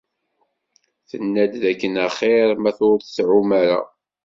Tenna-d dakken axir ma ur tɛum ara.